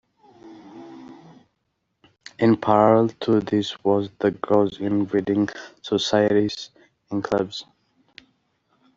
In parallel to this was the growth in reading societies and clubs.